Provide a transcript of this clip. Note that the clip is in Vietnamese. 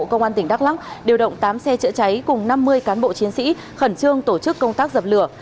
công an tỉnh đắk lắc điều động tám xe chữa cháy cùng năm mươi cán bộ chiến sĩ khẩn trương tổ chức công tác dập lửa